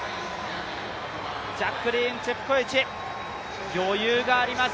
ジャックリーン・チェプコエチ、余裕があります。